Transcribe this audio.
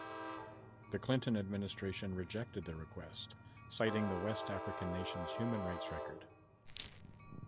The Clinton administration rejected the request, citing the West African nation's human rights record.